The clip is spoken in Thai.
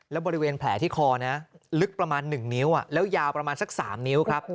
แล้วบริเวณแผลที่คอนะลึกประมาณ๑นิ้วแล้วยาวประมาณสัก๓นิ้วครับ